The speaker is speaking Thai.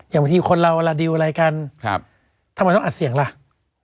อย่างบางทีคนเราเวลาดิวอะไรกันทำไมต้องอัดเสียงล่ะ